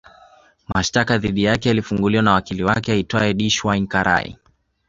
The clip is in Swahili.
Mashtaka dhidi yake yalifunguliwa na wakili wake aitwae Dinshaw Karai